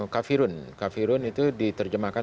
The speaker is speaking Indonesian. kafirun kafirun itu diterjemahkan